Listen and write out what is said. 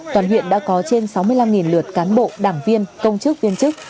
toàn huyện đã có trên sáu mươi năm lượt cán bộ đảng viên công chức viên chức